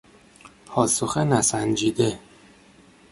پاسخ نسنجیده